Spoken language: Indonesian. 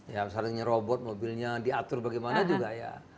ya misalnya robot mobilnya diatur bagaimana juga ya